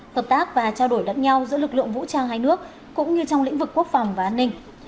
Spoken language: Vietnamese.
hợp tác và trao đổi đất nhau giữa lực lượng vũ trang hai nước cũng như trong lĩnh vực quốc phòng và an ninh